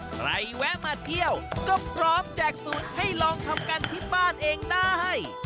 แวะมาเที่ยวก็พร้อมแจกสูตรให้ลองทำกันที่บ้านเองได้